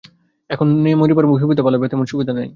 এখানে মরিবার যেমন সুবিধা পালাইবার তেমন সুবিধা নাই।